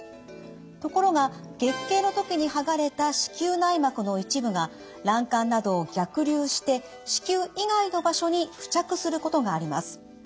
ところが月経の時に剥がれた子宮内膜の一部が卵管などを逆流して子宮以外の場所に付着することがあります。